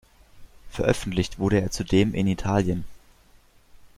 Veröffentlicht wurde er zudem in Italien.